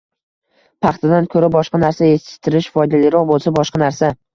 paxtadan ko‘ra boshqa narsa yetishtirish foydaliroq bo‘lsa – boshqa narsa.